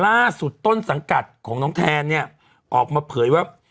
ล่าสุดต้นสังกัดของน้องแทนเนี่ยออกมาเผยว่า